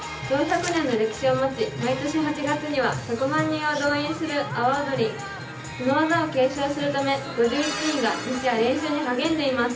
４００年の歴史を持ち、毎年８月には１００万人を動員する阿波おどりその技を継承するため５１人の部員が日夜、練習に励んでいます。